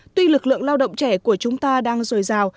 tuy lực lượng lao động trẻ của chúng ta đang dồi dào